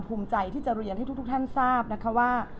อย่างที่ทุกท่านทราบนะคะว่า